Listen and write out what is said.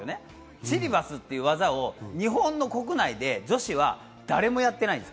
シリバスっていう技を日本の国内で女子は誰もやってないんです。